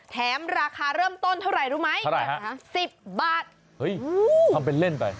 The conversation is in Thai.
แถมราคาเริ่มต้นเท่าไหร่รู้ไหม๑๐บาทเฮ้ยทำเป็นเล่นไป